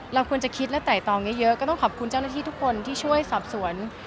เราควรจะคิดและไต่ตองเยอะก็ต้องขอบคุณเจ้าหน้าที่ทุกคนที่ช่วยสอบสวน